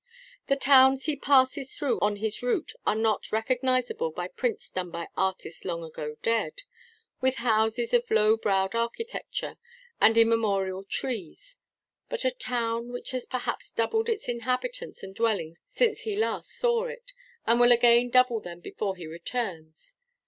The towns he passes through on his route are not recognizable by prints done by artists long ago dead, with houses of low browed architecture, and immemorial trees; but a town which has perhaps doubled its inhabitants and dwellings since he last saw it, and will again double them before he returns.